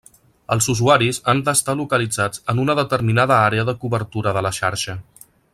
Els usuaris han d'estar localitzats en una determinada àrea de cobertura de la xarxa.